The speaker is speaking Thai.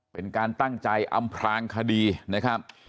เป็นการตั้งใจอำพลางคดีนะครับ